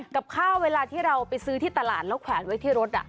กับข้าวเวลาที่เราไปซื้อที่ตลาดแล้วแขวนไว้ที่รถ